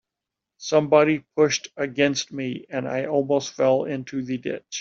Somebody pushed against me, and I almost fell into the ditch.